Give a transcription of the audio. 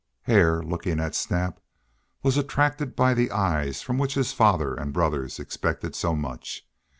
Hare, looking at Snap, was attracted by the eyes from which his father and brothers expected so much.